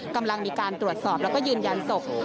กำลังมีการตรวจสอบแล้วก็ยืนยันศพ